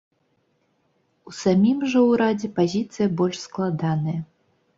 У самім жа ўрадзе пазіцыя больш складаная.